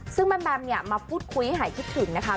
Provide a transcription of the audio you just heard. ซึ่งแม่มแบมเนี่ยมาพูดคุยหายคิดถึงนะคะ